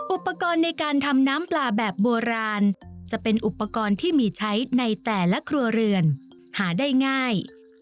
อุปกรณ์ในการทำน้ำปลาแบบโบราณจะเป็นอุปกรณ์ที่มีใช้ในแต่ละครัวเรือนหาได้ง่าย